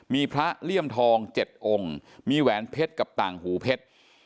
มีพระเลี่ยมทอง๗องค์มีแหวนเพชรกับต่างหูเพชร